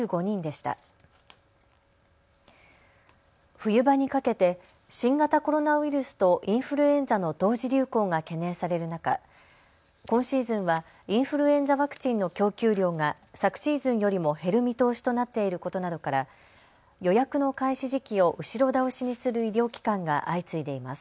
冬場にかけて新型コロナウイルスとインフルエンザの同時流行が懸念される中、今シーズンはインフルエンザワクチンの供給量が昨シーズンよりも減る見通しとなっていることなどから予約の開始時期を後ろ倒しにする医療機関が相次いでいます。